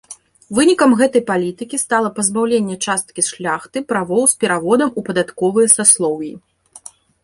Вынікам гэтай палітыкі стала пазбаўленне часткі шляхты правоў з пераводам у падатковыя саслоўі.